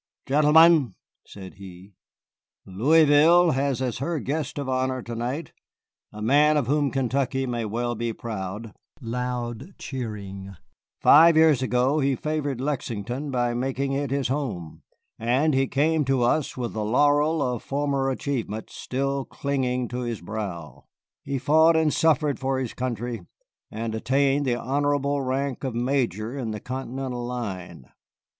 "Gentlemen," said he, "Louisville has as her guest of honor to night a man of whom Kentucky may well be proud [loud cheering]. Five years ago he favored Lexington by making it his home, and he came to us with the laurel of former achievements still clinging to his brow. He fought and suffered for his country, and attained the honorable rank of Major in the Continental line.